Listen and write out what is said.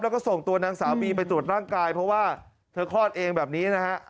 แล้วก็ส่งตัวนางสาวบีไปตรวจร่างกายเพราะว่าเธอคลอดเองแบบนี้นะฮะ